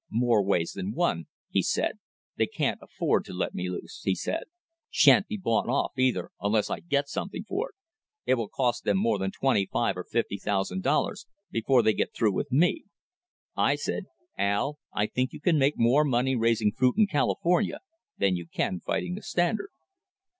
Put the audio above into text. "More ways than one," he said; "they can't afford to let me loose," he said. "Sha'n't be bought off, either, unless I get something for it. It will cost them more than twenty five or fifty thousand dollars before they get through with me." I said : "Al, I think you can make more money raising fruit in California than you can fighting the Standard."